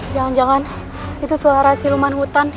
jangan jangan itu suara siluman hutan